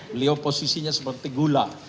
beliau posisinya seperti gula